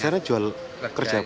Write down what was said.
sekarang jual kerja apa itu